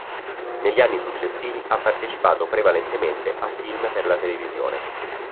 Negli anni successivi ha partecipato prevalentemente a film per la televisione.